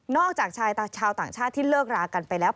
จากชายชาวต่างชาติที่เลิกรากันไปแล้ว